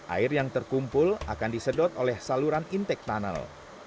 air yang terkumpul akan disedot oleh saluran intake tunnel